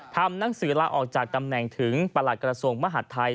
ทำนังสือล่าออกจากตำแหน่งถึงประหลักกรสมมหัสไทย